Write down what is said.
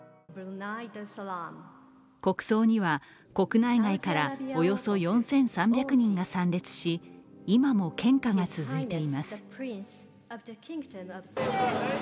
国葬には、国内外からおよそ４３００人が参列し今も献花が続いています。